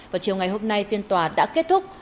vào chiều ngày hôm nay phiên tòa đã kết thúc